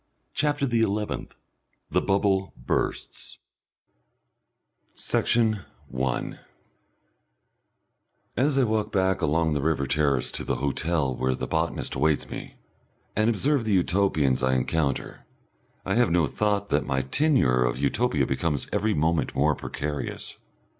CHAPTER THE ELEVENTH The Bubble Bursts Section 1 As I walk back along the river terrace to the hotel where the botanist awaits me, and observe the Utopians I encounter, I have no thought that my tenure of Utopia becomes every moment more precarious.